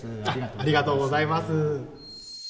ありがとうございます。